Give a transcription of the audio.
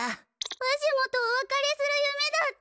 わしもとおわかれする夢だった。